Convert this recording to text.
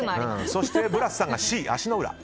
そして、ブラスさんがＣ足の裏。